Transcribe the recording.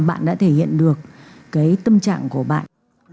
bạn đã thể hiện được cái tâm trạng của bạn